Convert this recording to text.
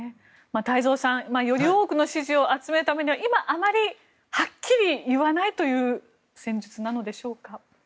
太蔵さん、より多くの支持を集めるためには今あまりはっきり言わないという戦術なんでしょうか。